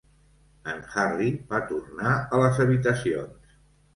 En Harry va tornar a les habitacions.